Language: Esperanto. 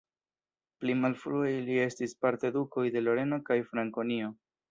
Pli malfrue ili estis parte dukoj de Loreno kaj Frankonio.